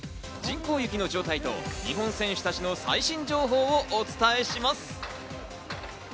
人工雪の状態と日本選手たちの最新情報をお伝えします。